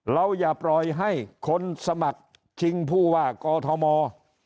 เราอย่ปล่อยให้คนสมัครชิงผู้ว่ากอธมมอส์